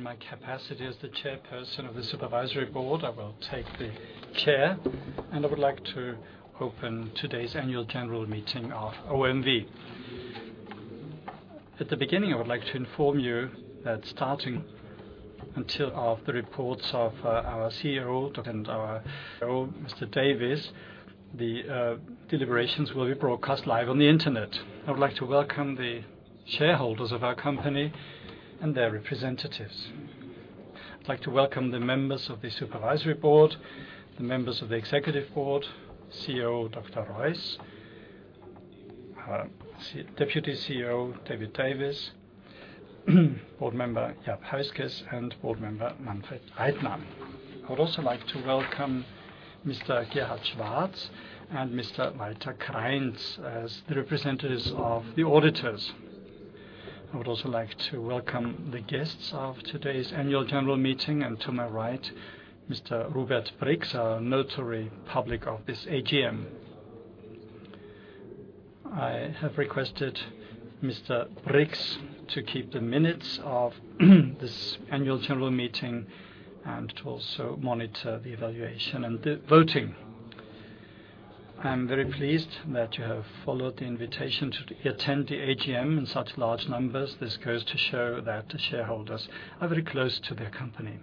In my capacity as the chairperson of the supervisory board, I will take the chair, and I would like to open today's annual general meeting of OMV. At the beginning, I would like to inform you that starting with the reports of our CEO and Mr. Davies, the deliberations will be broadcast live on the internet. I would like to welcome the shareholders of our company and their representatives. I'd like to welcome the members of the supervisory board, the members of the executive board, CEO, Gerhard Roiss, Deputy CEO, David Davies, Board Member Jaap Huijskes, and Board Member Manfred Leitner. I would also like to welcome Mr. Gerhard Roiss and Mr. Walter Krainz as the representatives of the auditors. I would also like to welcome the guests of today's annual general meeting and to my right, Mr. Rupert Brix, a notary public of this AGM. I have requested Mr. Brix to keep the minutes of this annual general meeting and to also monitor the evaluation and the voting. I'm very pleased that you have followed the invitation to attend the AGM in such large numbers. This goes to show that the shareholders are very close to their company.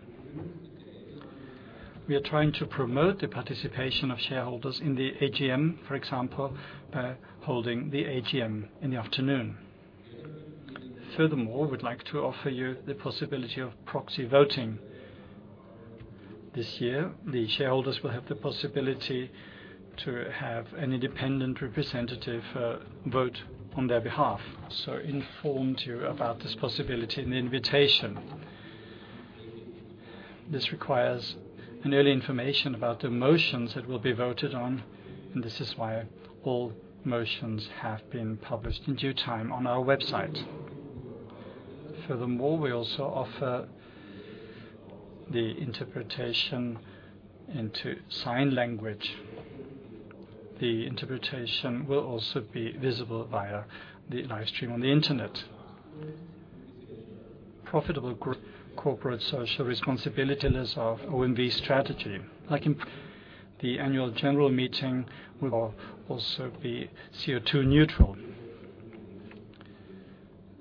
We are trying to promote the participation of shareholders in the AGM, for example, by holding the AGM in the afternoon. Furthermore, we'd like to offer you the possibility of proxy voting. This year, the shareholders will have the possibility to have an independent representative vote on their behalf. We informed you about this possibility in the invitation. This requires an early information about the motions that will be voted on. This is why all motions have been published in due time on our website. Furthermore, we also offer the interpretation into sign language. The interpretation will also be visible via the live stream on the internet. Profitable corporate social responsibility list of OMV strategy. Like in the annual general meeting will also be CO2 neutral.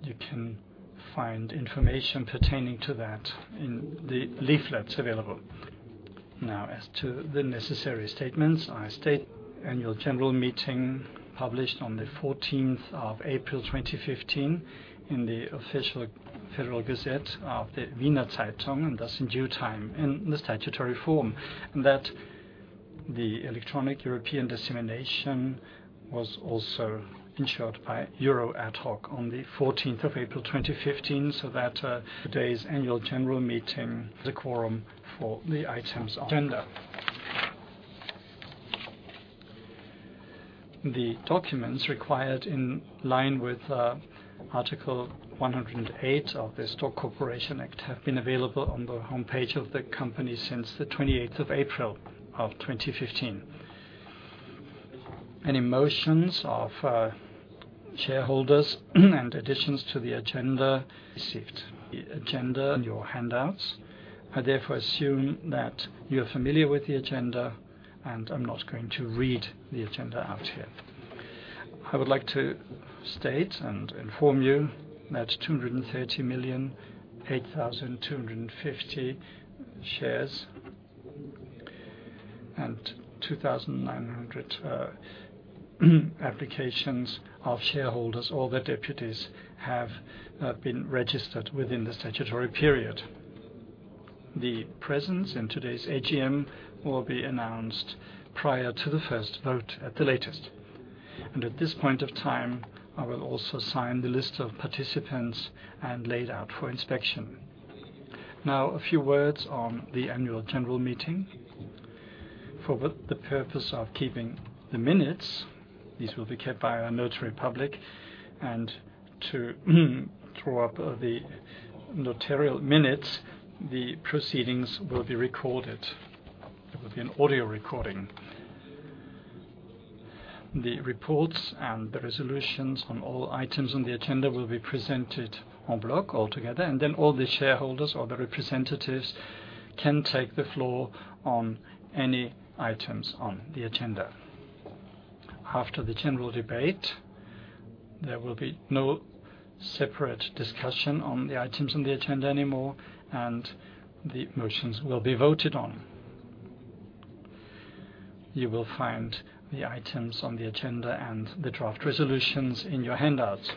You can find information pertaining to that in the leaflets available. Now, as to the necessary statements, I state annual general meeting published on the 14th of April 2015 in the official Federal Gazette of the Wiener Zeitung, and thus in due time in the statutory form, and that the electronic European dissemination was also ensured by euro adhoc on the 14th of April 2015, so that today's annual general meeting, the quorum for the items on agenda. The documents required in line with Article 108 of the Stock Corporation Act have been available on the homepage of the company since the 28th of April 2015. Any motions of shareholders and additions to the agenda received. The agenda in your handouts. I therefore assume that you're familiar with the agenda. I'm not going to read the agenda out here. I would like to state and inform you that 230,008,250 shares and 2,900 applications of shareholders or their deputies have been registered within the statutory period. The presence in today's AGM will be announced prior to the first vote at the latest. At this point of time, I will also sign the list of participants and laid out for inspection. Now, a few words on the annual general meeting. For the purpose of keeping the minutes, these will be kept by a notary public. To draw up the notarial minutes, the proceedings will be recorded. There will be an audio recording. The reports and the resolutions on all items on the agenda will be presented en bloc altogether. Then all the shareholders or the representatives can take the floor on any items on the agenda. After the general debate, there will be no separate discussion on the items on the agenda anymore. The motions will be voted on. You will find the items on the agenda and the draft resolutions in your handouts.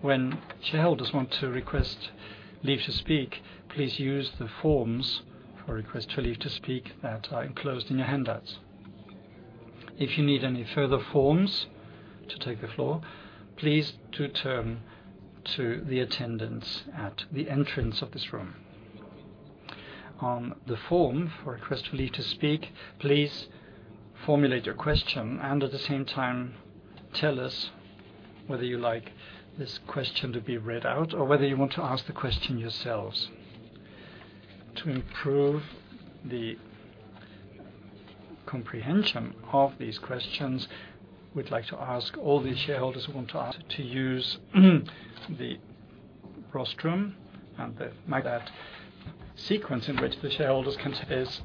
When shareholders want to request leave to speak, please use the forms for request to leave to speak that are enclosed in your handouts. If you need any further forms to take the floor, please do turn to the attendants at the entrance of this room. On the form for request to leave to speak, please formulate your question and at the same time tell us whether you like this question to be read out or whether you want to ask the question yourselves. To improve the comprehension of these questions, we'd like to ask all the shareholders who want to use the rostrum and the mic. That sequence in which the shareholders is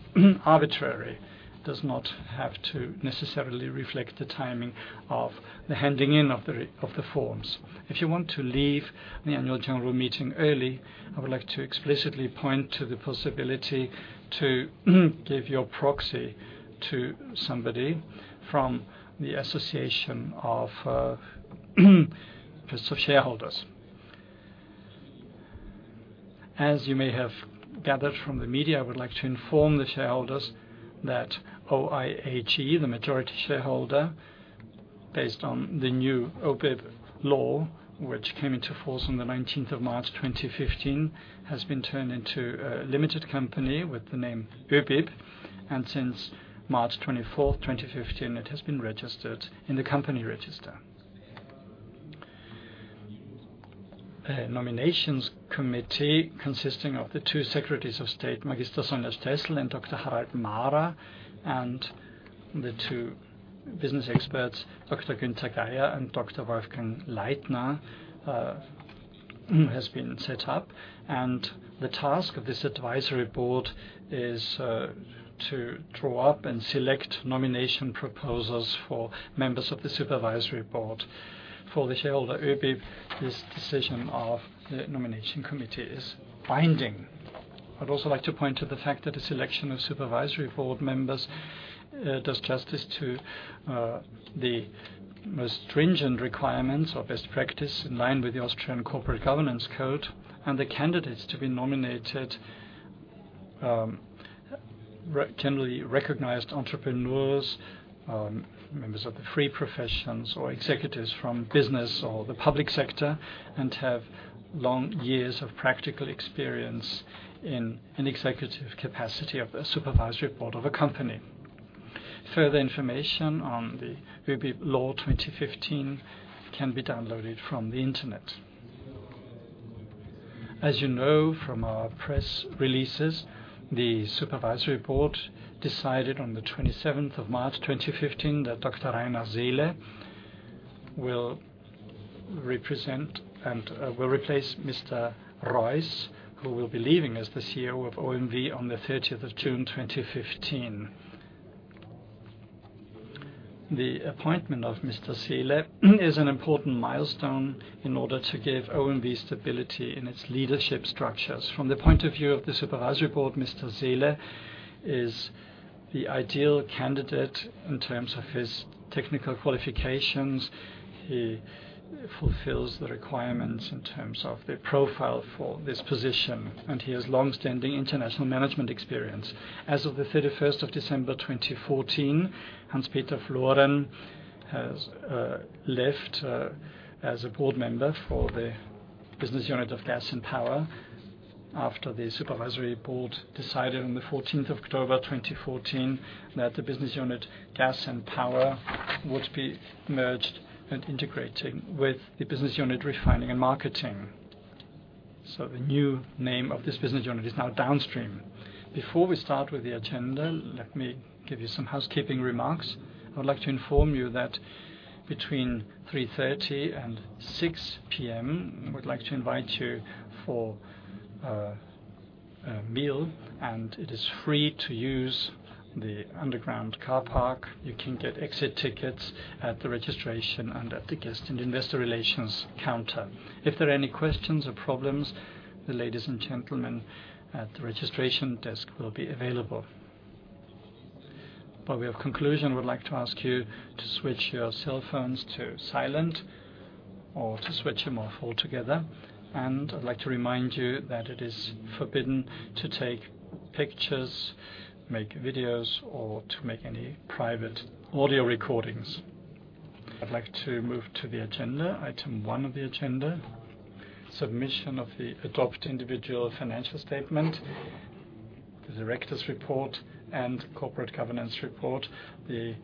arbitrary, does not have to necessarily reflect the timing of the handing in of the forms. If you want to leave the annual general meeting early, I would like to explicitly point to the possibility to give your proxy to somebody from the Association of Shareholders. As you may have gathered from the media, I would like to inform the shareholders that ÖIAG, the majority shareholder, based on the new ÖBIB law, which came into force on the 19th of March 2015, has been turned into a limited company with the name ÖBIB. Since March 24th, 2015, it has been registered in the company register. A nominations committee consisting of the two Secretaries of State, Mag. Sonja Steßl and Dr. Harald Mahrer, and the two business experts, Dr. Günter Geyer and Dr. Wolfgang Leitner has been set up. The task of this advisory board is to draw up and select nomination proposals for members of the supervisory board. For the shareholder ÖBIB, this decision of the nomination committee is binding. I'd also like to point to the fact that the selection of supervisory board members does justice to the most stringent requirements or best practice in line with the Austrian Corporate Governance Code. The candidates to be nominated are generally recognized entrepreneurs, members of the free professions, or executives from business or the public sector, and have long years of practical experience in an executive capacity of a supervisory board of a company. Further information on the ÖBIB law 2015 can be downloaded from the internet. As you know from our press releases, the supervisory board decided on the 27th of March 2015 that Dr. Rainer Seele will replace Mr. Roiss, who will be leaving as the CEO of OMV on the 30th of June 2015. The appointment of Mr. Seele is an important milestone in order to give OMV stability in its leadership structures. From the point of view of the Supervisory Board, Mr. Seele is the ideal candidate in terms of his technical qualifications. He fulfills the requirements in terms of the profile for this position, and he has longstanding international management experience. As of the 31st of December 2014, Hans-Peter Floren has left as a board member for the business unit of Gas and Power after the Supervisory Board decided on the 14th of October 2014 that the business unit Gas and Power would be merged and integrated with the business unit Refining and Marketing. The new name of this business unit is now Downstream. Before we start with the agenda, let me give you some housekeeping remarks. I would like to inform you that between 3:30 P.M. and 6:00 P.M., we would like to invite you for a meal, and it is free to use the underground car park. You can get exit tickets at the registration and at the guest and Investor Relations counter. If there are any questions or problems, the ladies and gentlemen at the registration desk will be available. By way of conclusion, we would like to ask you to switch your cell phones to silent or to switch them off altogether. I'd like to remind you that it is forbidden to take pictures, make videos, or to make any private audio recordings. I'd like to move to the agenda. Item one of the agenda, submission of the adopted individual financial statement, the Directors' Report, and Corporate Governance Report, the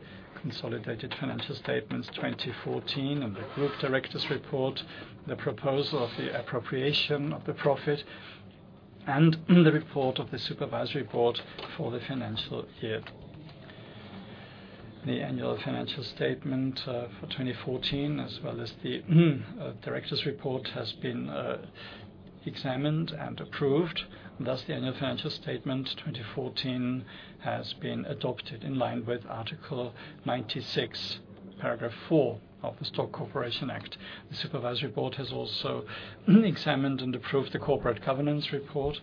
consolidated financial statements 2014, and the Group Directors' Report, the proposal of the appropriation of the profit, and the report of the Supervisory Board for the financial year. The annual financial statement for 2014, as well as the Directors' Report has been examined and approved, and thus the annual financial statement 2014 has been adopted in line with Article 96, Paragraph 4 of the Stock Corporation Act. The Supervisory Board has also examined and approved the Corporate Governance Report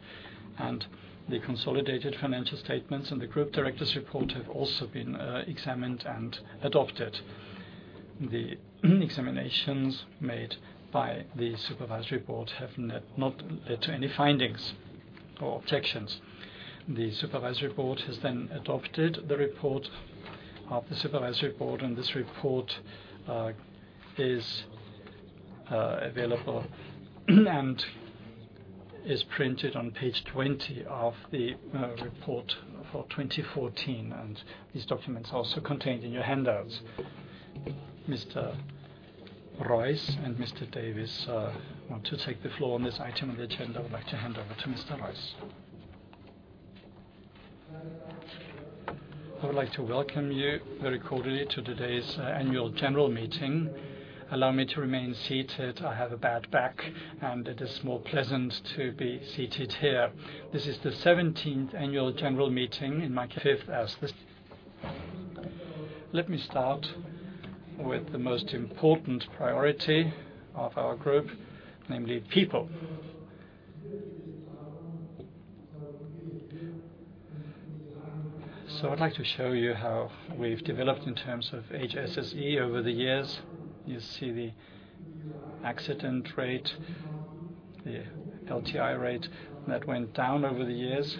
and the consolidated financial statements, and the Group Directors' Report have also been examined and adopted. The examinations made by the Supervisory Board have not led to any findings or objections. The Supervisory Board has then adopted the report of the Supervisory Board, and this report is available and is printed on page 20 of the report for 2014. This document is also contained in your handouts. Mr. Roiss and Mr. Davies want to take the floor on this item on the agenda. I would like to hand over to Mr. Roiss. I would like to welcome you very cordially to today's annual general meeting. Allow me to remain seated. I have a bad back, and it is more pleasant to be seated here. This is the 17th annual general meeting and my fifth as this. Let me start with the most important priority of our group, namely people. I'd like to show you how we've developed in terms of HSSE over the years. You see the accident rate, the LTI rate, that went down over the years.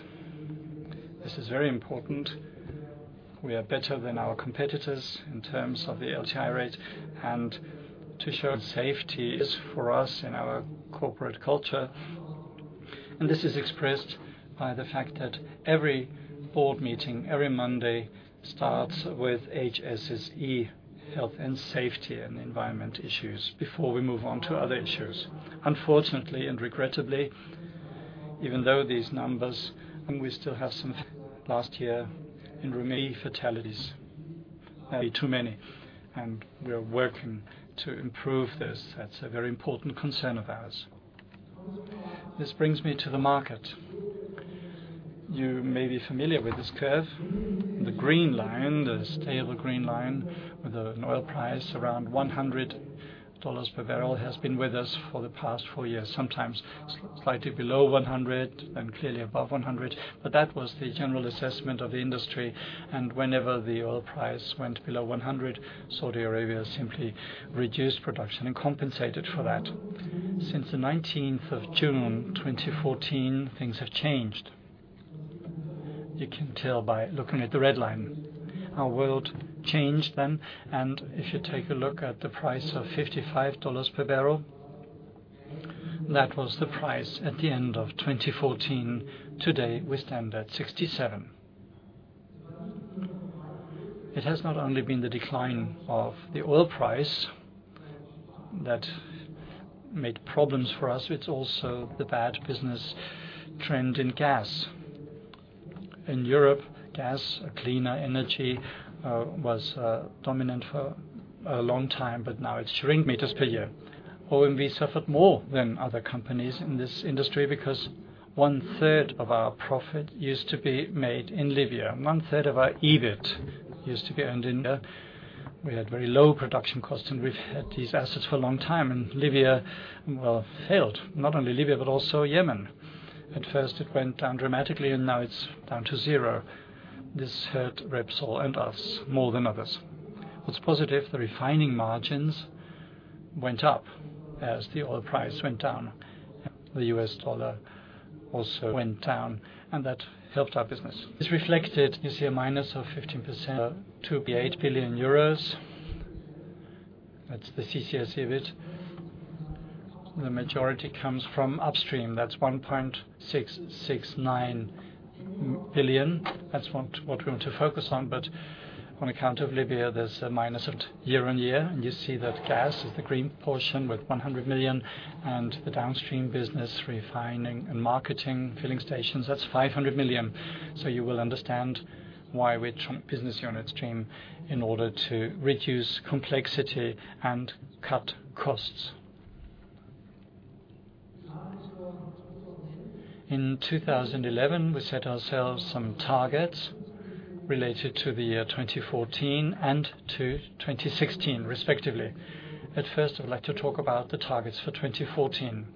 This is very important. We are better than our competitors in terms of the LTI rate and to show safety is for us in our corporate culture. This is expressed by the fact that every board meeting, every Monday, starts with HSSE, health and safety and environment issues, before we move on to other issues. Unfortunately, regrettably, even though these numbers, we still have some last year in many fatalities. Maybe too many, and we are working to improve this. That's a very important concern of ours. This brings me to the market. You may be familiar with this curve. The green line, the stable green line, with an oil price around $100 per barrel has been with us for the past 4 years, sometimes slightly below 100 and clearly above 100. That was the general assessment of the industry, and whenever the oil price went below 100, Saudi Arabia simply reduced production and compensated for that. Since the 19th of June 2014, things have changed. You can tell by looking at the red line. Our world changed then, if you take a look at the price of $55 per barrel, that was the price at the end of 2014. Today, we stand at $67. It has not only been the decline of the oil price that made problems for us, it's also the bad business trend in gas. In Europe, gas, a cleaner energy, was dominant for a long time, but now it's [inaudible] meters per year. OMV suffered more than other companies in this industry because one-third of our profit used to be made in Libya. One-third of our EBIT used to be earned in Libya. We had very low production costs, we've had these assets for a long time, Libya, well, failed. Not only Libya, but also Yemen. At first, it went down dramatically, now it's down to zero. This hurt Repsol and us more than others. What's positive, the refining margins went up as the oil price went down. The US dollar also went down, that helped our business. It's reflected, you see a minus of 15% to be 8 billion euros. That's the CCS EBIT. The majority comes from Upstream. That's 1.669 billion. That's what we want to focus on. On account of Libya, there's a minus of year-over-year, you see that gas is the green portion with 100 million, the Downstream business Refining and Marketing filling stations, that's 500 million. You will understand why [we jump business units stream] in order to reduce complexity and cut costs. In 2011, we set ourselves some targets related to the year 2014 and to 2016, respectively. At first, I would like to talk about the targets for 2014.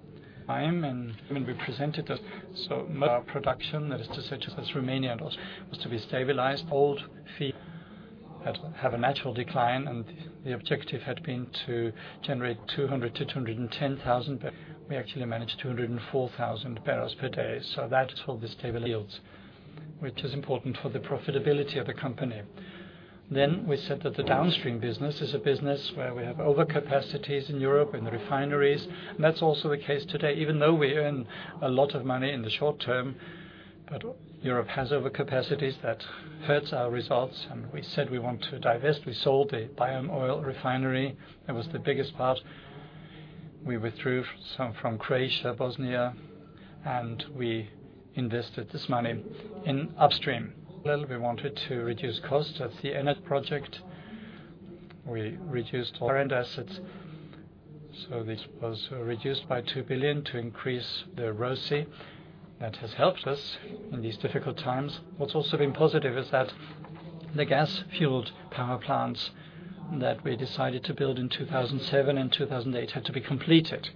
[I am a member and represented us], most of our production, that is to such as Romania and also was to be stabilized. Old field have a natural decline, the objective had been to generate 200,000-210,000, we actually managed 204,000 barrels per day. That is for the stable yields, which is important for the profitability of the company. We said that the Downstream business is a business where we have overcapacities in Europe and the refineries. That's also the case today, even though we earn a lot of money in the short term. Europe has overcapacities that hurts our results, we said we want to divest. We sold the Bayernoil Refinery. That was the biggest part. We withdrew some from Croatia, Bosnia, we invested this money in Upstream. Well, we wanted to reduce costs. That's the ENIT project. We reduced our end assets. This was reduced by 2 billion to increase the ROACE. That has helped us in these difficult times. What's also been positive is that the gas-fueled power plants that we decided to build in 2007 and 2008 had to be completed.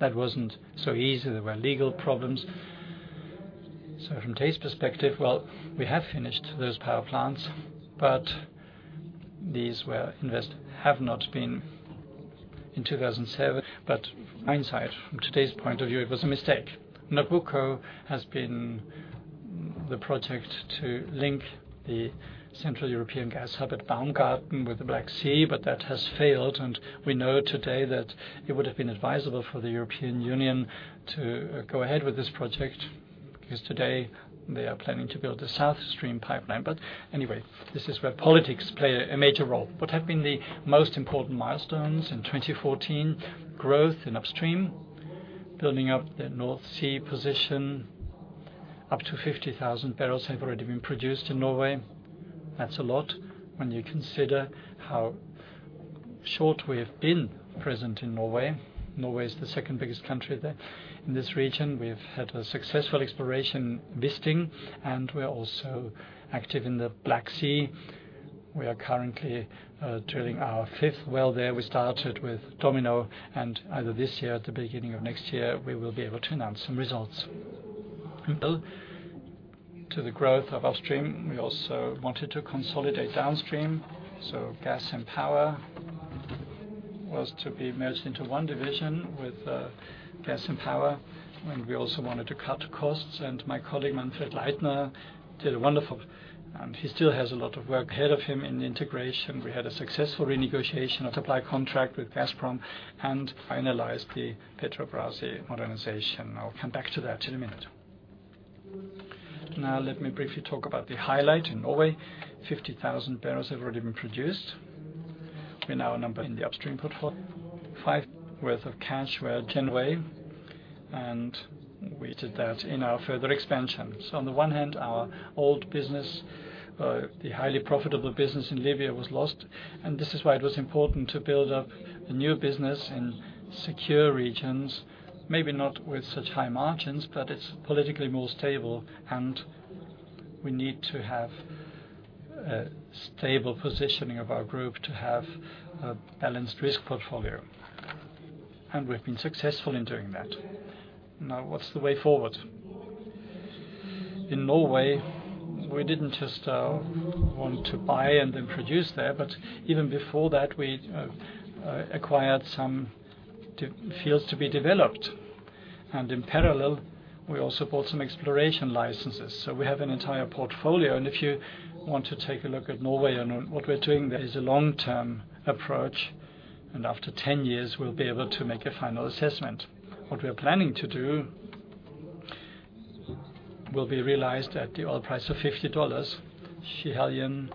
That wasn't so easy. There were legal problems. From today's perspective, well, we have finished those power plants, but these were invested, have not been in 2007. Hindsight, from today's point of view, it was a mistake. Nabucco has been the project to link the Central European Gas Hub at Baumgarten with the Black Sea, but that has failed, and we know today that it would have been advisable for the European Union to go ahead with this project. Today they are planning to build the South Stream pipeline. Anyway, this is where politics play a major role. What have been the most important milestones in 2014? Growth in Upstream, building up the North Sea position. Up to 50,000 barrels have already been produced in Norway. That's a lot when you consider how short we have been present in Norway. Norway is the second biggest country there in this region. We've had a successful exploration listing, and we are also active in the Black Sea. We are currently drilling our fifth well there. We started with Domino, and either this year or the beginning of next year, we will be able to announce some results. To the growth of Upstream, we also wanted to consolidate Downstream, so Gas and Power was to be merged into one division with Gas and Power. And my colleague Manfred Leitner did a wonderful And he still has a lot of work ahead of him in integration. We had a successful renegotiation of supply contract with Gazprom and finalized the Petrobrazi modernization. I'll come back to that in a minute. Let me briefly talk about the highlight in Norway. 50,000 barrels have already been produced. We now number in the Upstream portfolio worth of cash generation, and we did that in our further expansion. On the one hand, our old business, the highly profitable business in Libya, was lost, and this is why it was important to build up a new business in secure regions. Maybe not with such high margins, but it's politically more stable, and we need to have a stable positioning of our group to have a balanced risk portfolio. We've been successful in doing that. What's the way forward? In Norway, we didn't just want to buy and then produce there, but even before that, we acquired some fields to be developed. In parallel, we also bought some exploration licenses. We have an entire portfolio, and if you want to take a look at Norway and what we're doing there is a long-term approach, and after 10 years, we'll be able to make a final assessment. What we are planning to do will be realized at the oil price of $50. Schiehallion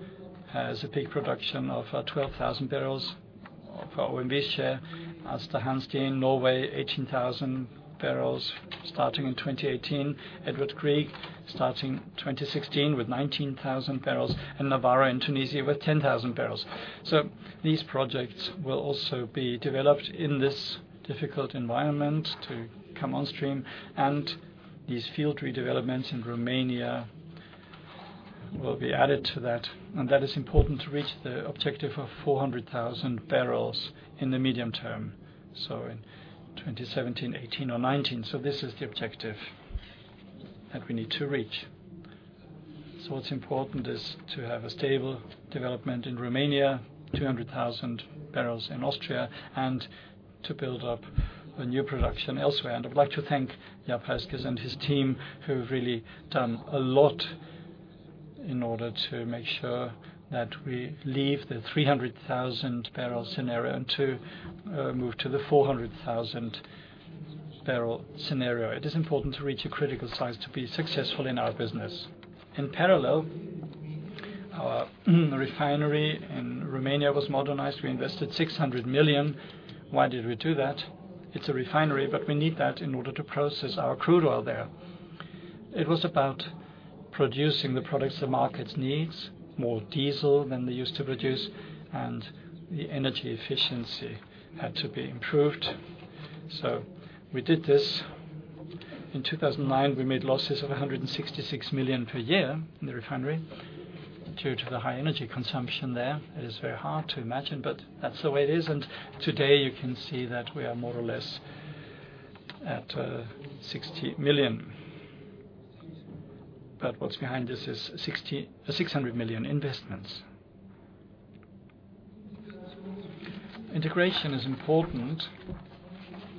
has a peak production of 12,000 barrels of our OMV share. Aasta Hansteen, Norway, 18,000 barrels starting in 2018. Edvard Grieg starting 2016 with 19,000 barrels. Nawara in Tunisia with 10,000 barrels. These projects will also be developed in this difficult environment to come onstream. These field redevelopments in Romania will be added to that. That is important to reach the objective of 400,000 barrels in the medium term. In 2017, 2018, or 2019. This is the objective that we need to reach. What's important is to have a stable development in Romania, 200,000 barrels in Austria, and to build up a new production elsewhere. I would like to thank Jaap Huijskes and his team, who have really done a lot in order to make sure that we leave the 300,000-barrel scenario and to move to the 400,000-barrel scenario. It is important to reach a critical size to be successful in our business. In parallel, our refinery in Romania was modernized. We invested 600 million. Why did we do that? It's a refinery, but we need that in order to process our crude oil there. It was about producing the products the market needs, more diesel than they used to produce, and the energy efficiency had to be improved. We did this. In 2009, we made losses of 166 million per year in the refinery due to the high energy consumption there. It is very hard to imagine, but that's the way it is. Today, you can see that we are more or less at 60 million. What's behind this is 600 million investments. Integration is important.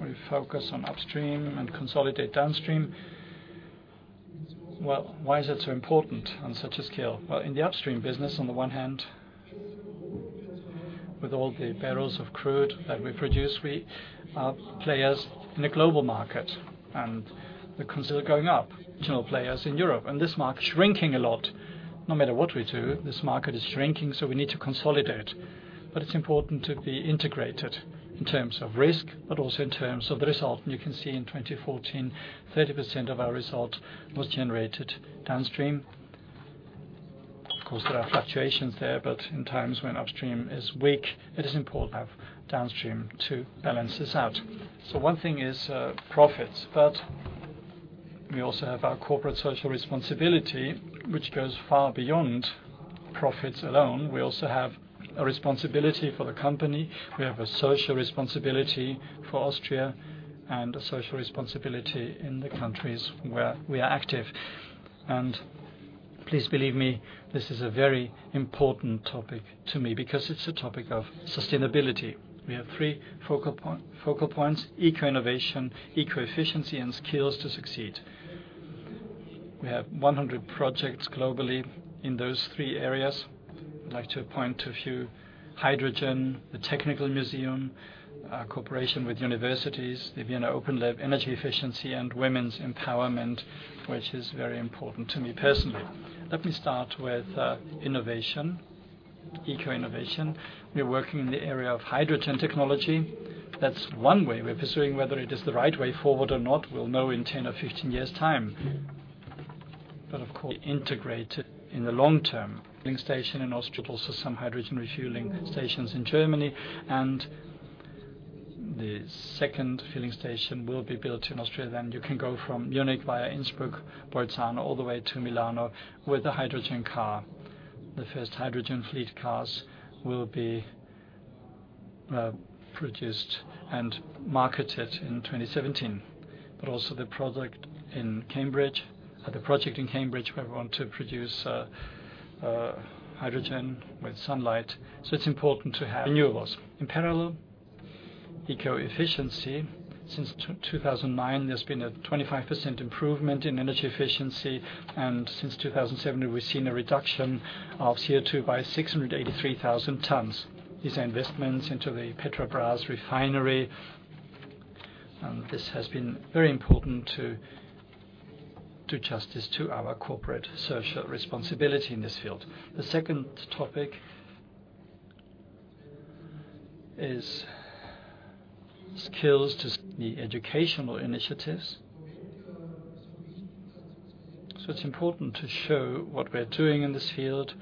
We focus on Upstream and consolidate Downstream. Why is it so important on such a scale? In the Upstream business, on the one hand, with all the barrels of crude that we produce, we are players in a global market, and the costs are going up. In Europe, this market is shrinking a lot. No matter what we do, this market is shrinking, so we need to consolidate. It's important to be integrated in terms of risk, but also in terms of the result. You can see in 2014, 30% of our result was generated Downstream. Of course, there are fluctuations there, but in times when Upstream is weak, it is important to have Downstream to balance this out. One thing is profits, but we also have our corporate social responsibility, which goes far beyond profits alone. We also have a responsibility for the company. We have a social responsibility for Austria and a social responsibility in the countries where we are active. Please believe me, this is a very important topic to me because it's a topic of sustainability. We have three focal points, Eco-Innovation, Eco-Efficiency, and Skills to Succeed. We have 100 projects globally in those three areas. I'd like to point to a few. Hydrogen, the Technisches Museum, cooperation with universities, the Vienna Open Lab, energy efficiency, and women's empowerment, which is very important to me personally. Let me start with innovation. Eco-Innovation. We are working in the area of hydrogen technology. That's one way we're pursuing. Whether it is the right way forward or not, we'll know in 10 or 15 years time. Of course, integrated in the long term. Filling station in Austria, but also some hydrogen refueling stations in Germany, and the second filling station will be built in Austria. Then you can go from Munich via Innsbruck, Bolzano, all the way to Milano with a hydrogen car. The first hydrogen fleet cars will be produced and marketed in 2017. Also the project in Cambridge, where we want to produce hydrogen with sunlight. It's important to have Renewables. In parallel, Eco-Efficiency. Since 2009, there's been a 25% improvement in energy efficiency, and since 2017, we've seen a reduction of CO2 by 683,000 tons. These are investments into the Petrobrazi refinery, and this has been very important to do justice to our corporate social responsibility in this field. The second topic is Skills to Succeed educational initiatives. It's important to show what we're doing in this field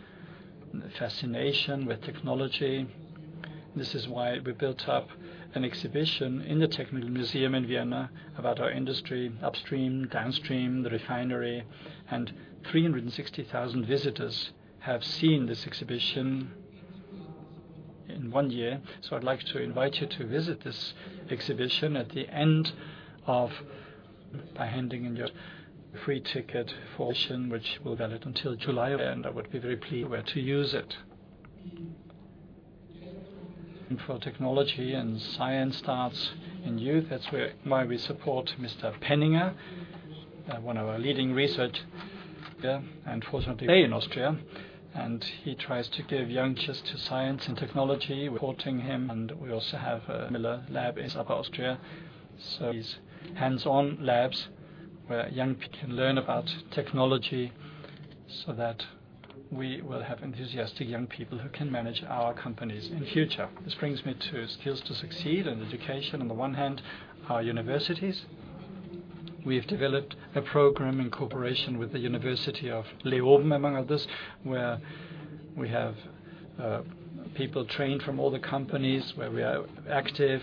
and the fascination with technology. This is why we built up an exhibition in the Technisches Museum Wien about our industry, Upstream, Downstream, the refinery, and 360,000 visitors have seen this exhibition in one year. I'd like to invite you to visit this exhibition at the end of by handing in your free ticket for exhibition, which will be valid until July, I would be very pleased where to use it. For technology and science starts in youth. That's why we support Mr. Penninger, one of our leading researchers here. Unfortunately stay in Austria, He tries to give youngsters to science and technology. We're supporting him, and we also have a, [inaudible] in South Austria. These hands-on labs where young people can learn about technology so that we will have enthusiastic young people who can manage our companies in future. This brings me to Skills to Succeed and education. On the one hand, our universities. We have developed a program in cooperation with the University of Leoben, among others, where we have people trained from all the companies where we are active.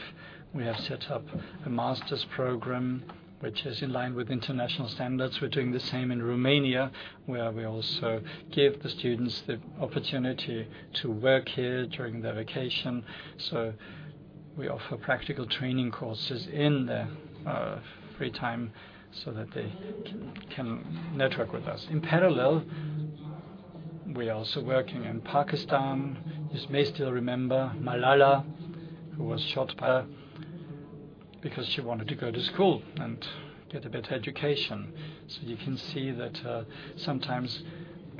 We have set up a master's program, which is in line with international standards. We're doing the same in Romania, where we also give the students the opportunity to work here during their vacation. We offer practical training courses in their free time so that they can network with us. In parallel, we are also working in Pakistan. You may still remember Malala, who was shot [inaudible] because she wanted to go to school and get a better education. You can see that sometimes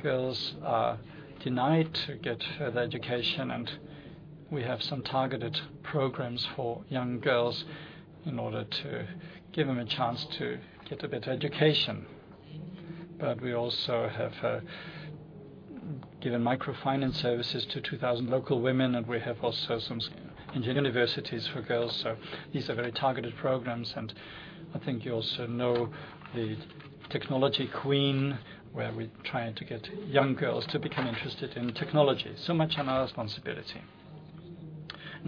girls are denied to get their education, We have some targeted programs for young girls in order to give them a chance to get a better education. We also have given microfinance services to 2,000 local women, We have also some engineering universities for girls. These are very targeted programs, I think you also know the technology queen, where we're trying to get young girls to become interested in technology. Much on our responsibility.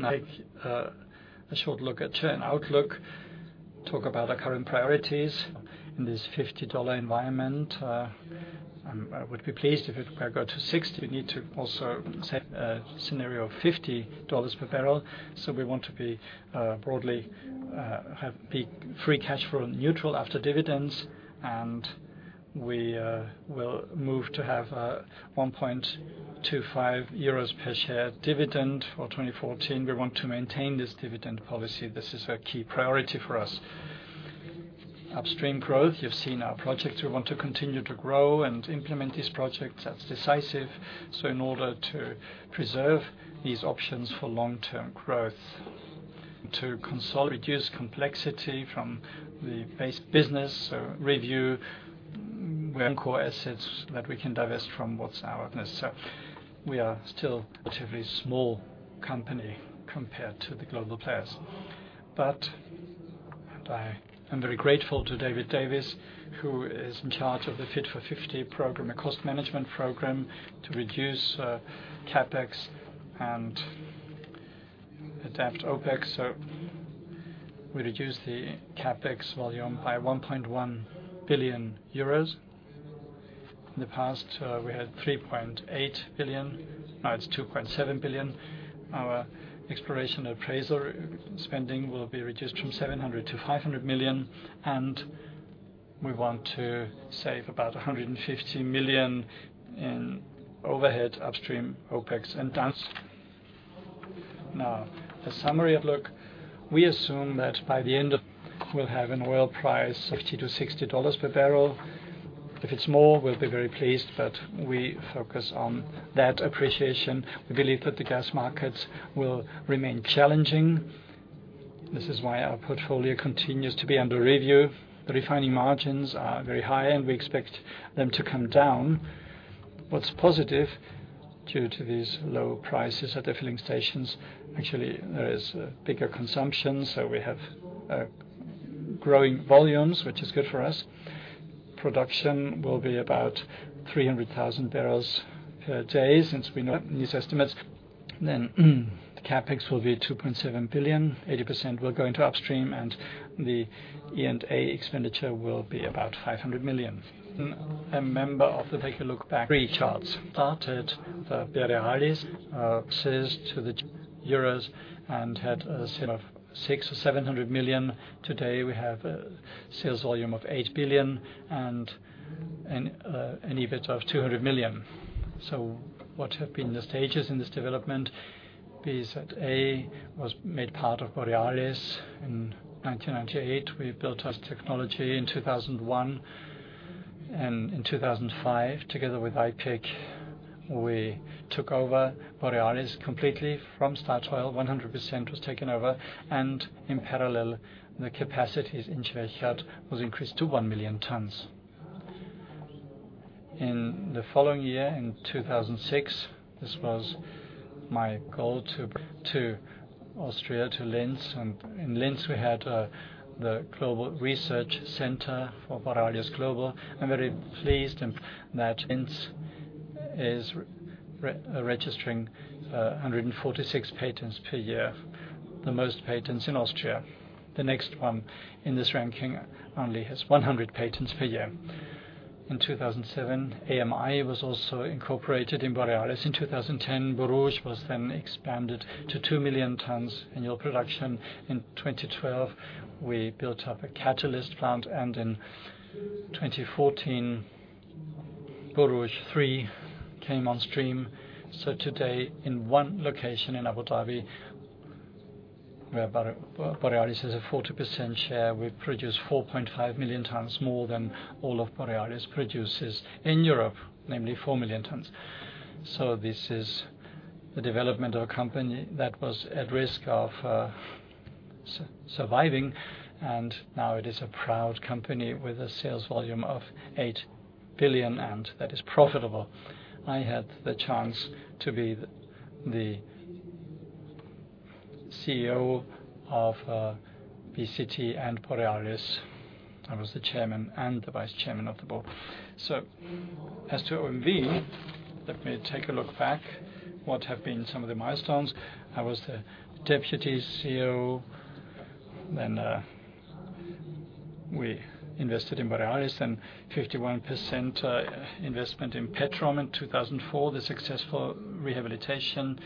I take a short look at an outlook, talk about our current priorities in this $50 environment. I would be pleased if it were to go to $60. We need to also set a scenario of $50 per barrel. We want to be broadly have big free cash flow neutral after dividends, We will move to have a 1.25 euros per share dividend for 2014. We want to maintain this dividend policy. This is a key priority for us. Upstream growth, you've seen our projects. We want to continue to grow and implement these projects. That's decisive. In order to preserve these options for long-term growth. To reduce complexity from the base business, review non-core assets that we can divest from what's our business. We are still a relatively small company compared to the global players. I am very grateful to David C. Davies, who is in charge of the Fit for 50 program, a cost management program to reduce CapEx and adapt OpEx. We reduced the CapEx volume by 1.1 billion euros. In the past, we had 3.8 billion. Now it's 2.7 billion. Our exploration appraisal spending will be reduced from 700 million to 500 million, and we want to save about 150 million in overhead Upstream OpEx and Downstream. A summary outlook. We assume that by the end of we'll have an oil price of $50-$60 per barrel. If it's more, we'll be very pleased, but we focus on that appreciation. We believe that the gas markets will remain challenging. This is why our portfolio continues to be under review. The refining margins are very high, and we expect them to come down. What's positive, due to these low prices at the filling stations, actually, there is a bigger consumption, so we have growing volumes, which is good for us. Production will be about 300,000 barrels per day since we know these estimates. The CapEx will be 2.7 billion. 80% will go into Upstream, and the E&A expenditure will be about 500 million. Let's take a look back at three charts. Started the Borealis sales to the EUR and had a sale of 600 million or 700 million. Today, we have a sales volume of 8 billion and an EBIT of 200 million. What have been the stages in this development? PCD Polymere was made part of Borealis in 1998. We built our technology in 2001. In 2005, together with International Petroleum Investment Company, we took over Borealis completely from Statoil, 100% was taken over, and in parallel, the capacities in Kuwait was increased to 1 million tons. In the following year, in 2006, this was my goal to bring to Austria, to Linz. In Linz, we had the global research center for Borealis. I'm very pleased that Linz is registering 146 patents per year, the most patents in Austria. The next one in this ranking only has 100 patents per year. In 2007, Agrolinz Melamine International was also incorporated in Borealis. In 2010, Borouge was expanded to 2 million tons annual production. In 2012, we built up a catalyst plant, and in 2014, Borouge 3 came on stream. Today in one location in Abu Dhabi, where Borealis has a 40% share, we produce 4.5 million tons more than all of Borealis produces in Europe, namely 4 million tons. This is the development of a company that was at risk of surviving, and now it is a proud company with a sales volume of 8 billion, and that is profitable. I had the chance to be the CEO of BCT and Borealis. I was the chairman and the vice chairman of the board. As to OMV, let me take a look back, what have been some of the milestones. I was the Deputy CEO then we invested in Borealis, then 51% investment in Petrom in 2004, the successful rehabilitation,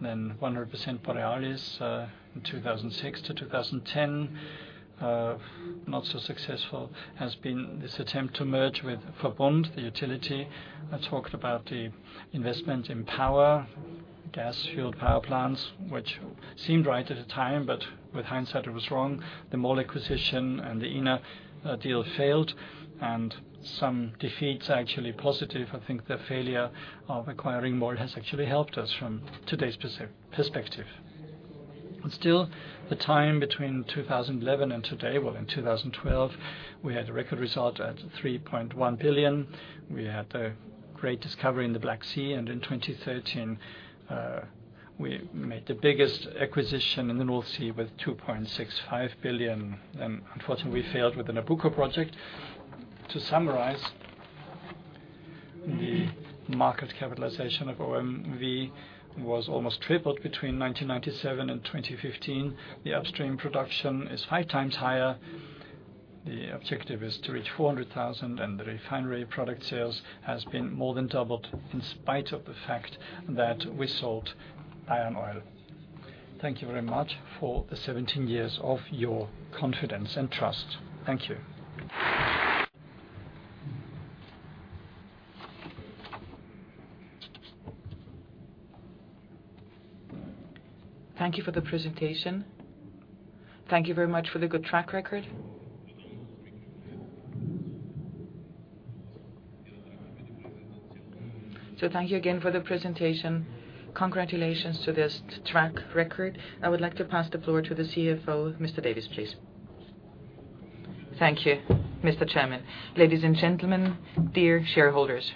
then 100% Borealis in 2006-2010. Not so successful has been this attempt to merge with Verbund, the utility. I talked about the investment in power, gas-fueled power plants, which seemed right at the time, but with hindsight, it was wrong. The MOL acquisition and the INA deal failed and some defeats are actually positive. I think the failure of acquiring MOL has actually helped us from today's perspective. The time between 2011 and today, in 2012, we had a record result at 3.1 billion. We had the great discovery in the Black Sea, and in 2013, we made the biggest acquisition in the North Sea with 2.65 billion. Unfortunately, we failed with the Nabucco project. To summarize, the market capitalization of OMV was almost tripled between 1997 and 2015. The upstream production is five times higher. The objective is to reach 400,000, and the refinery product sales has been more than doubled in spite of the fact that we sold Bayernoil. Thank you very much for the 17 years of your confidence and trust. Thank you. Thank you for the presentation. Thank you very much for the good track record. Thank you again for the presentation. Congratulations to this track record. I would like to pass the floor to the CFO, Mr. Davies, please. Thank you, Mr. Chairman. Ladies and gentlemen, dear shareholders.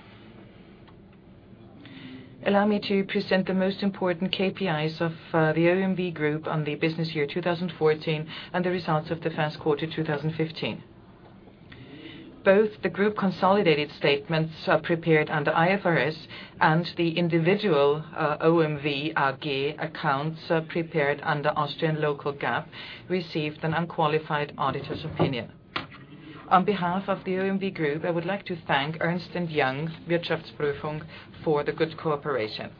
Allow me to present the most important KPIs of the OMV Group on the business year 2014 and the results of the first quarter 2015. Both the group consolidated statements are prepared under IFRS and the individual OMV AG accounts are prepared under Austrian Local GAAP, received an unqualified auditor's opinion. On behalf of the OMV group, I would like to thank Ernst & Young for the good cooperation.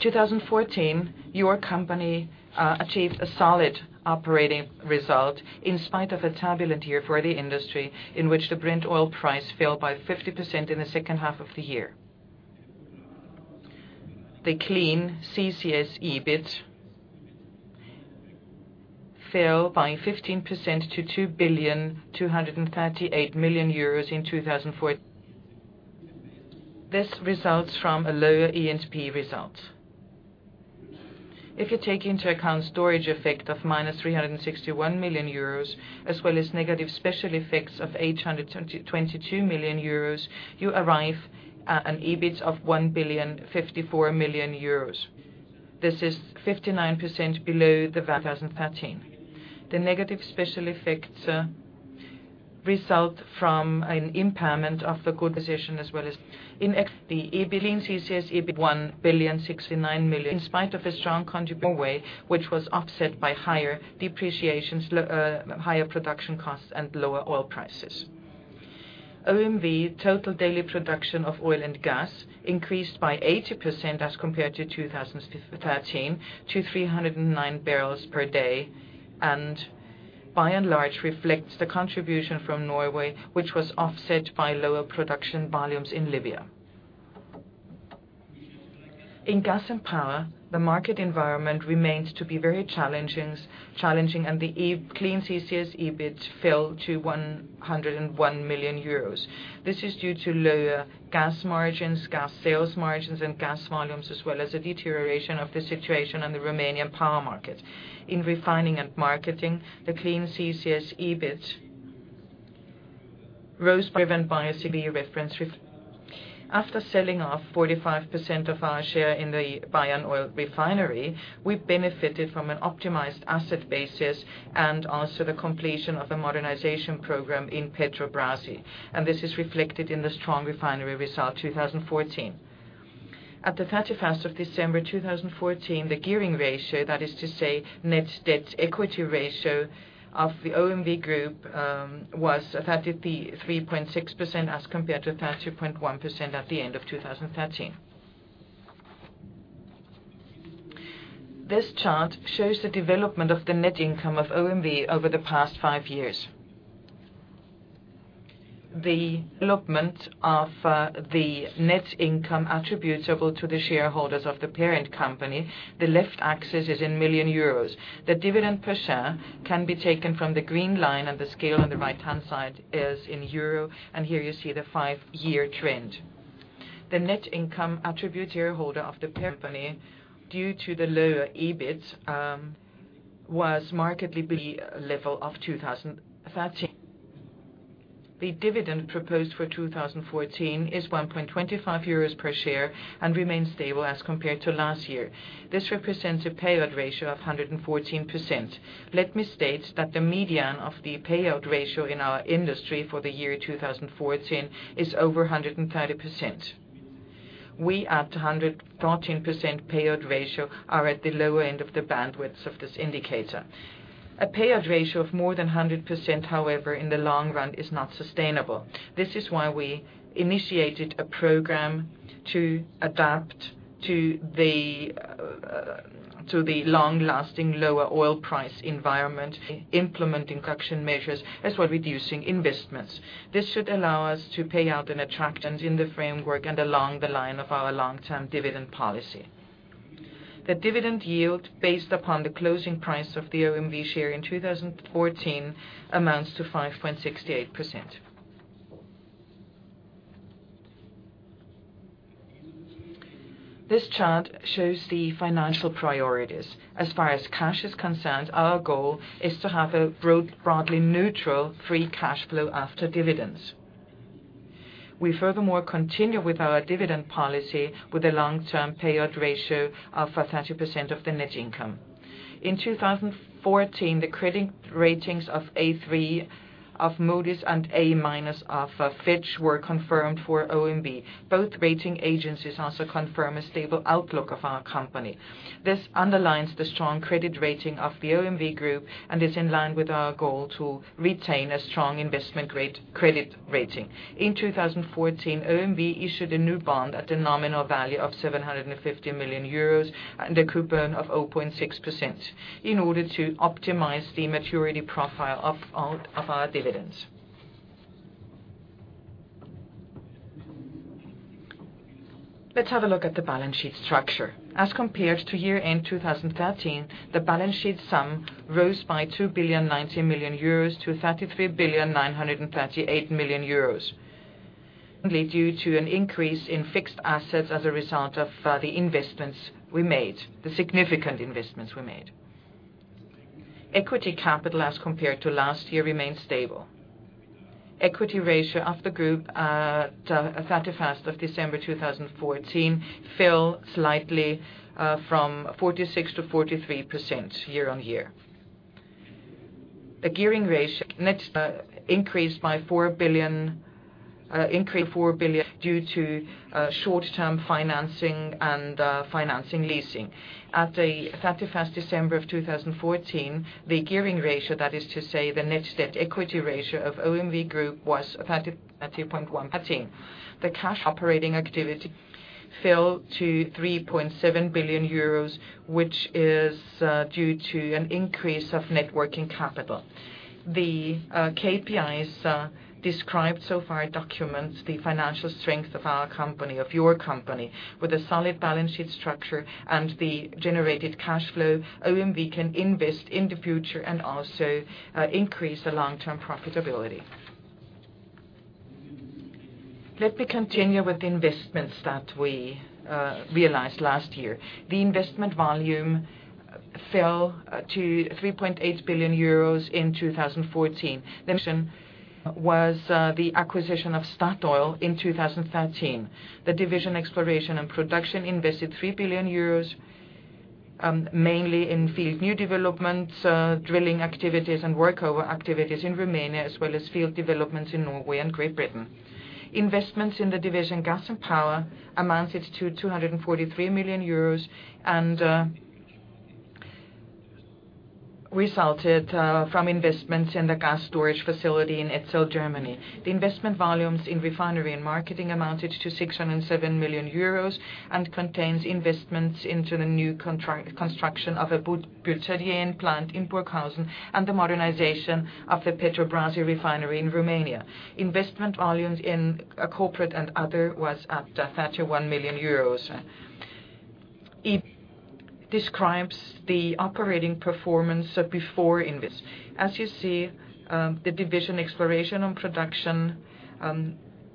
2014, your company achieved a solid operating result in spite of a turbulent year for the industry, in which the Brent oil price fell by 50% in the second half of the year. The Clean CCS EBIT fell by 15% to 2 billion 238 million in 2014. This results from a lower E&P result. If you take into account storage effect of minus 361 million euros as well as negative special effects of 822 million euros, you arrive at an EBIT of 1 billion 54 million. This is 59% below the value 2013. The negative special effects result from an impairment of the goodwill position as well as in E&P Clean CCS EBIT 1 billion 69 million in spite of a strong country, Norway, which was offset by higher depreciations, higher production costs and lower oil prices. OMV total daily production of oil and gas increased by 80% as compared to 2013 to 309,000 barrels per day and by and large reflects the contribution from Norway, which was offset by lower production volumes in Libya. In Gas and Power, the market environment remains to be very challenging, the Clean CCS EBIT fell to 101 million euros. This is due to lower gas margins, gas sales margins and gas volumes, as well as the deterioration of the situation in the Romanian power market. In Refining and Marketing, the Clean CCS EBIT rose, driven by a. [inaudible] After selling off 45% of our share in the Bayernoil Refinery, we benefited from an optimized asset basis and also the completion of the modernization program in Petrobrazi. This is reflected in the strong refinery result 2014. At the 31st of December 2014, the gearing ratio, that is to say net debt equity ratio of the OMV group, was 33.6% as compared to 30.1% at the end of 2013. This chart shows the development of the net income of OMV over the past five years. The development of the net income attributable to the shareholders of the parent company. The left axis is in million euros. The dividend per share can be taken from the green line and the scale on the right-hand side is in EUR. Here you see the five-year trend. The net income attributable shareholder of the parent company, due to the lower EBIT, was markedly below the level of 2013. The dividend proposed for 2014 is 1.25 euros per share and remains stable as compared to last year. This represents a payout ratio of 114%. Let me state that the median of the payout ratio in our industry for the year 2014 is over 130%. We at 114% payout ratio are at the lower end of the bandwidth of this indicator. A payout ratio of more than 100%, however, in the long run is not sustainable. This is why we initiated a program to adapt to the long-lasting lower oil price environment, implementing production measures as well reducing investments. This should allow us to pay out an attraction in the framework and along the line of our long-term dividend policy. The dividend yield based upon the closing price of the OMV share in 2014 amounts to 5.68%. This chart shows the financial priorities. As far as cash is concerned, our goal is to have a broadly neutral free cash flow after dividends. We furthermore continue with our dividend policy with a long-term payout ratio of 30% of the net income. In 2014, the credit ratings of A3 of Moody's and A- of Fitch were confirmed for OMV. Both rating agencies also confirm a stable outlook of our company. This underlines the strong credit rating of the OMV Group and is in line with our goal to retain a strong investment-grade credit rating. In 2014, OMV issued a new bond at a nominal value of 750 million euros and a coupon of 0.6% in order to optimize the maturity profile of our dividends. Let's have a look at the balance sheet structure. As compared to year-end 2013, the balance sheet sum rose by 2.09 billion to 33.938 billion, mainly due to an increase in fixed assets as a result of the significant investments we made. Equity capital, as compared to last year, remains stable. Equity ratio of the group at 31st of December 2014 fell slightly from 46% to 43% year-on-year. [The gearing ratio next increased by 4 billion] due to short-term financing and financing leasing. At the 31st December of 2014, the gearing ratio, that is to say the net debt equity ratio of OMV Group was [30.1%]. The cash operating activity fell to 3.7 billion euros, which is due to an increase of net working capital. The KPIs described so far documents the financial strength of our company, of your company. With a solid balance sheet structure and the generated cash flow, OMV can invest in the future and also increase the long-term profitability. Let me continue with the investments that we realized last year. The investment volume fell to 3.8 billion euros in 2014. The mission was the acquisition of Statoil in 2013. The division Exploration & Production invested 3 billion euros mainly in field new developments, drilling activities, and workover activities in Romania, as well as field developments in Norway and Great Britain. Investments in the division Gas and Power amounted to 243 million euros and resulted from investments in the gas storage facility in Etzel, Germany. The investment volumes in Refining and Marketing amounted to 607 million euros and contains investments into the new construction of a butadiene plant in Burghausen and the modernization of the Petrobrazi refinery in Romania. Investment volumes in Corporate and Other was at 31 million euros. It describes the operating performance before investment. As you see, the division Exploration & Production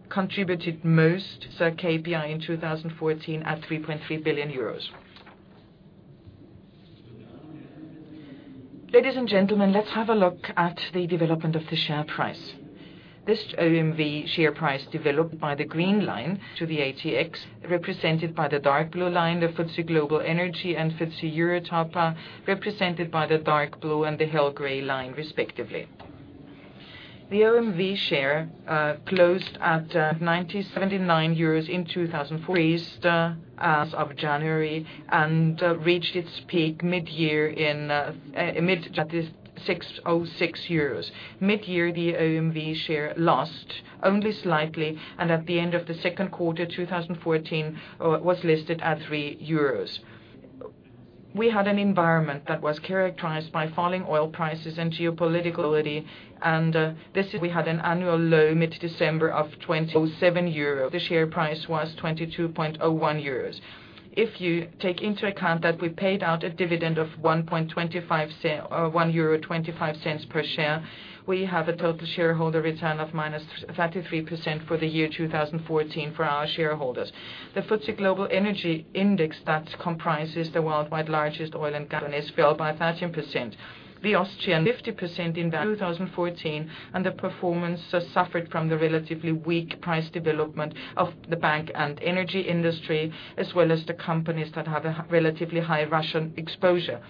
contributed most to the KPI in 2014 at 3.3 billion euros. Ladies and gentlemen, let's have a look at the development of the share price. This OMV share price developed by the green line to the ATX, represented by the dark blue line, the FTSE Global Energy Index and FTSE Eurotop 100 Index, represented by the dark blue and the light gray line, respectively. The OMV share closed at [90.79 euros] in 2014 as of January, and reached its peak mid-year in mid-January, [60.6 euros]. Mid-year, the OMV share lost only slightly, and at the end of the second quarter 2014, was listed at 3 euros. We had an environment that was characterized by falling oil prices and geopolitical instability, and this year we had an annual low mid-December of [20.7 euros]. The share price was 22.01 euros. If you take into account that we paid out a dividend of 1.25 per share, we have a total shareholder return of -33% for 2014 for our shareholders. The FTSE Global Energy Index that comprises the worldwide largest oil and gas fell by 30%. The Austrian 50% in 2014, and the performance has suffered from the relatively weak price development of the bank and energy industry, as well as the companies that have a relatively high Russian exposure.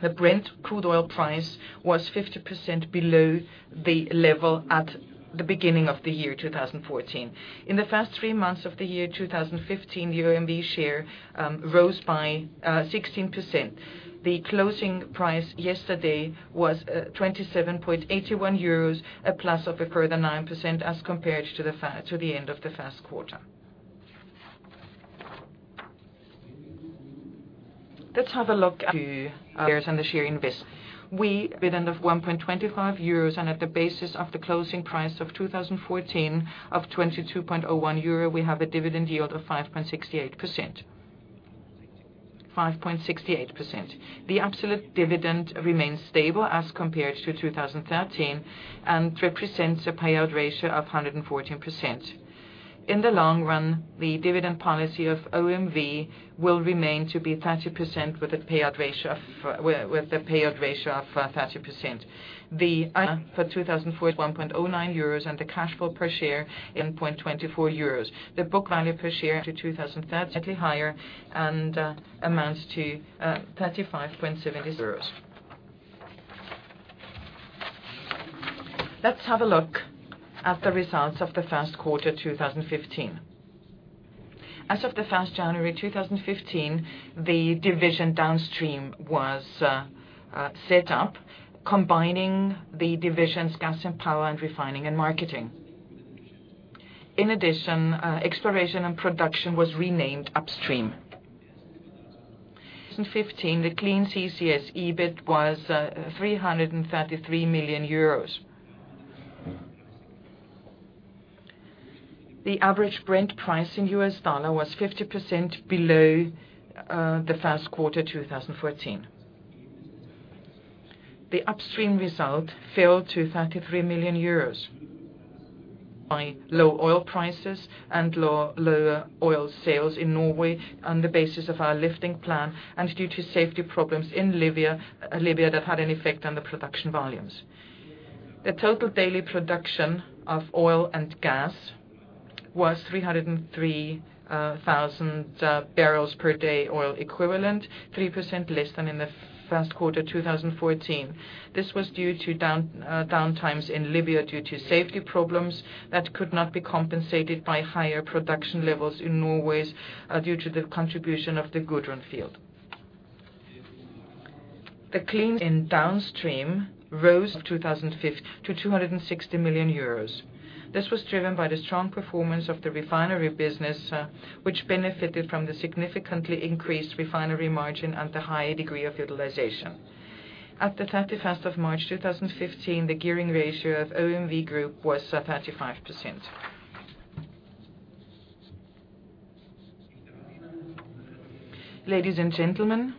The Brent crude oil price was 50% below the level at the beginning of 2014. In the first three months of 2015, the OMV share rose by 16%. The closing price yesterday was 27.81 euros, a plus of a further 9% as compared to the end of the first quarter. Let's have a look at the shares and the share investment. We have a dividend of 1.25 euros and at the basis of the closing price of 2014 of 22.01 euro, we have a dividend yield of 5.68%. The absolute dividend remains stable as compared to 2013 and represents a payout ratio of 114%. In the long run, the dividend policy of OMV will remain to be 30% with the payout ratio of 30%. For 2014, 1.09 euros and the cash flow per share 1.24 euros. The book value per share to 2013 slightly higher and amounts to 35.70 euros. Let's have a look at the results of the first quarter 2015. As of the 1st of January 2015, the division Downstream was set up combining the divisions Gas and Power and Refining and Marketing. In addition, Exploration & Production was renamed Upstream. In 2015, the Clean CCS EBIT was 333 million euros. The average Brent price in US dollar was 50% below the first quarter 2014. The Upstream result fell to 33 million euros by low oil prices and lower oil sales in Norway on the basis of our lifting plan and due to safety problems in Libya that had an effect on the production volumes. The total daily production of oil and gas was 303,000 barrels per day oil equivalent, 3% less than in the first quarter 2014. This was due to downtimes in Libya due to safety problems that could not be compensated by higher production levels in Norway due to the contribution of the Gudrun field. The Clean in Downstream rose in 2015 to 260 million euros. This was driven by the strong performance of the refinery business, which benefited from the significantly increased refinery margin and the high degree of utilization. At March 31, 2015, the gearing ratio of OMV Group was 35%. Ladies and gentlemen,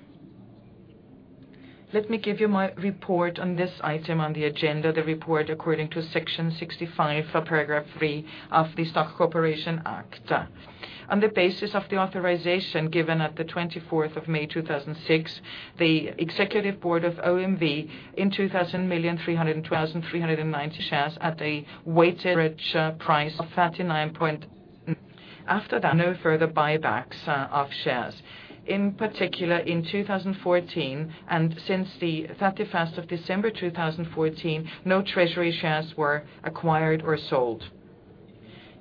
let me give you my report on this item on the agenda, the report according to Section 65, Paragraph 3 of the Stock Corporation Act. On the basis of the authorization given on May 24, 2006, the Executive Board of OMV in [inaudible] shares at a weighted average price of 39. After that, no further buybacks of shares. In particular, in 2014, since December 31, 2014, no treasury shares were acquired or sold.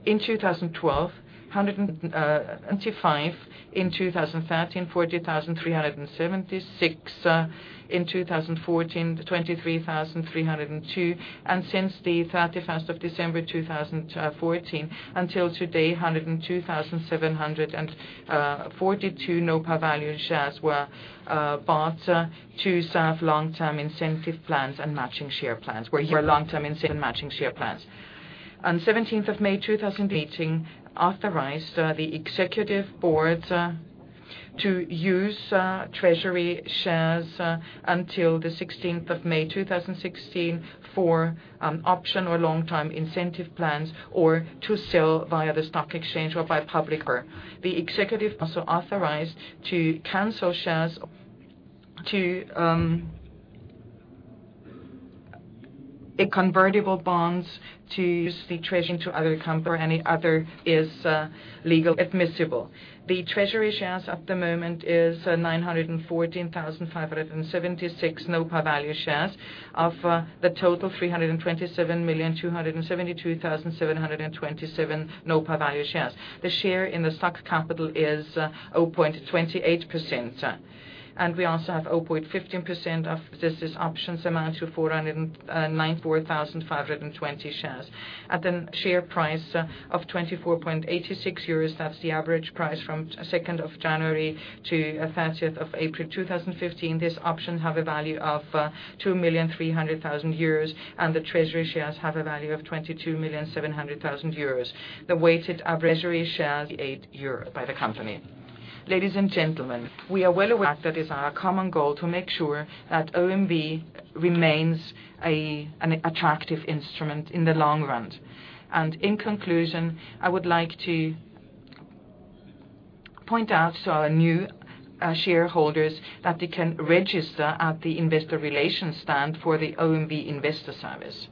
In 2012, 175; in 2013, 40,376; in 2014, 23,302; since December 31, 2014, until today, 102,742 no-par value shares were bought to serve long-term incentive plans and matching share plans. On [May 17th, 2018], authorized the Executive Board to use treasury shares until May 16, 2016, for option or long-term incentive plans, or to sell via the stock exchange or by public. The Executive also authorized [to cancel shares to a convertible bonds to use the treasury other company or any other is legal admissible]. The treasury shares at the moment is 914,576 no-par value shares of the total 327,272,727 no-par value shares. The share in the stock capital is 0.28%. We also have 0.15% [of this is options amount] to 409,520 shares. At the share price of 24.86 euros, that's the average price from January 2 to April 30, 2015. These options have a value of 2,300,000 euros, and the treasury shares have a value of 22,700,000 euros. [The weighted average treasury share is 8 euros by the company]. Ladies and gentlemen, we are well aware that it is our common goal to make sure that OMV remains an attractive instrument in the long run. In conclusion, I would like to point out to our new shareholders that they can register at the investor relations stand for the OMV Investor Service.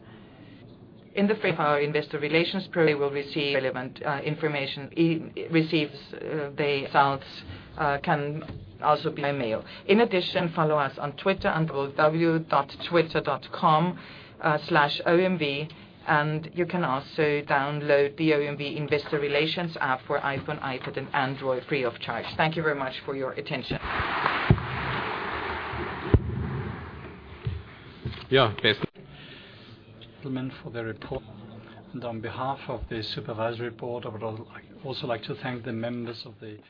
In the frame of our investor relations, they will receive relevant information. [Receives the results can also be by mail]. In addition, follow us on Twitter, www.twitter.com/OMV, and you can also download the OMV Investor Relations app for iPhone, iPad, and Android free of charge. Thank you very much for your attention. Yeah. For the report. On behalf of the supervisory board, I would also like to thank the members of the board.